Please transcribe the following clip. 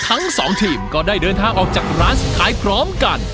ทั้งสองทีมก็ได้เดินทางออกจากร้านสุดท้ายพร้อมกัน